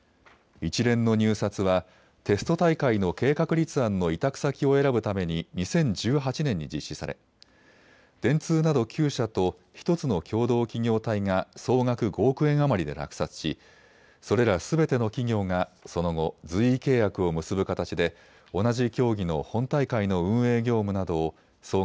一連の入札はテスト大会の計画立案の委託先を選ぶために２０１８年に実施され電通など９社と１つの共同企業体が総額５億円余りで落札しそれらすべての企業がその後、随意契約を結ぶ形で同じ競技の本大会の運営業務などを総額